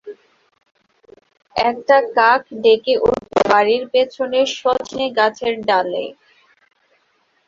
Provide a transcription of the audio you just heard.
একটা কাক ডেকে উঠল বাড়ির পেছনের শজনেগাছের ডালে।